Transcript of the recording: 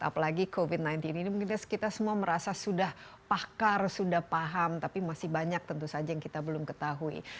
apalagi covid sembilan belas ini mungkin kita semua merasa sudah pakar sudah paham tapi masih banyak tentu saja yang kita belum ketahui